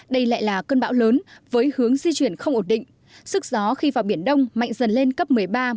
đây lại là cơn bão lớn với hướng di chuyển không ổn định sức gió khi vào biển đông mạnh dần lên cấp một mươi ba một mươi bốn